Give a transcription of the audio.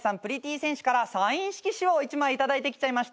戦士からサイン色紙を１枚頂いてきちゃいました。